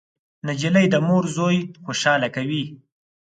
نجلۍ د مور زوی خوشحاله کوي.